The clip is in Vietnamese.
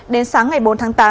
đến sáng ngày bốn tháng ba